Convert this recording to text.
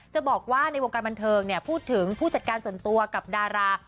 จะบอกว่าในวงการบันเทิงพูดถึงผู้จัดการส่วนตัวกับดารา